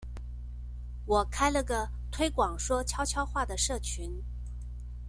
我開了個推廣說悄悄話的社群